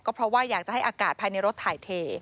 เพราะว่าอยากจะให้อากาศภายในรถถ่ายเท